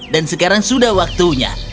dan sekarang sudah waktunya